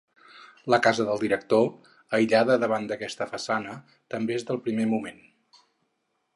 La casa del director, aïllada davant d’aquesta façana, també és del primer moment.